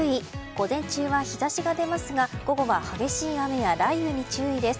午前中は日差しが出ますが午後は激しい雨や雷雨に注意です。